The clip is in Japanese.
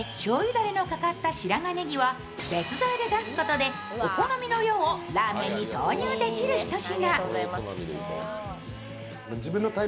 だれのかかった白髪ねぎは、別添えで出すことで、お好みの量をラーメンに投入できる一品。